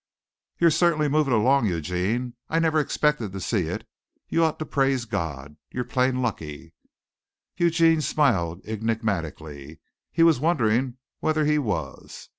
"You're certainly moving along, Eugene. I never expected to see it. You ought to praise God. You're plain lucky." Eugene smiled enigmatically. He was wondering whether he was.